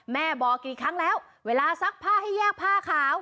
แม่บอกกี่ครั้งแล้วเวลาซักผ้าให้แยกผ้าขาว